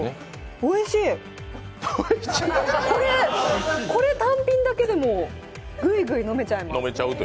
おいしい、これ単品だけでもぐいぐい飲めちゃいます。